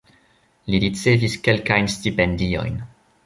Li ricevis kelkajn stipendiojn.